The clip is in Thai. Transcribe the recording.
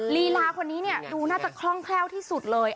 ลีลาคนนี้เนี่ยดูน่าจะคล่องแคล่วที่สุดเลย